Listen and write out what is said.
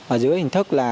ở dưới hình thức là